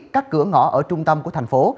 các cửa ngõ ở trung tâm của thành phố